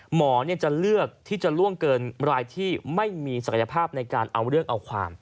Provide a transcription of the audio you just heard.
หมอจะเลือกที่จะล่วงเกินรายที่ไม่มีศักยภาพในการเอาเรื่องเอาความ